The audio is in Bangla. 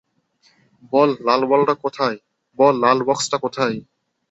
বল লাল বাক্সটা কোথায়।